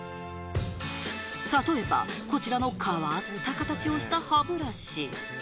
例えば、こちらの変わった形をした歯ブラシ。